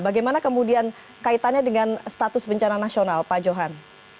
bagaimana kemudian kaitannya dengan status bencana nasional pak johan